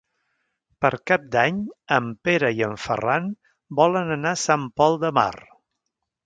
Per Cap d'Any en Pere i en Ferran volen anar a Sant Pol de Mar.